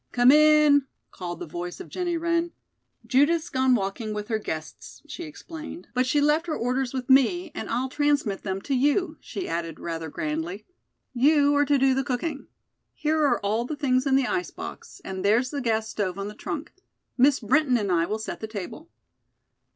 "Come in," called the voice of Jennie Wren. "Judith's gone walking with her guests," she explained; "but she left her orders with me, and I'll transmit them to you," she added rather grandly. "You are to do the cooking. Here are all the things in the ice box, and there's the gas stove on the trunk. Miss Brinton and I will set the table."